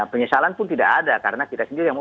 penyesalan pun tidak ada karena kita sendiri yang mau